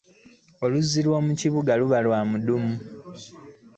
Oluzzi lwo mu kibuga luba lwa muddumu .